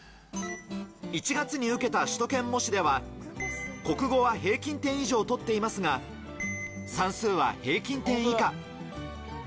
１月に受けた首都圏模試では、国語は平均点以上を取っていますが、算数は平均点以下。